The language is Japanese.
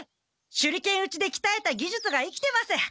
手裏剣打ちできたえたぎじゅつが生きてます！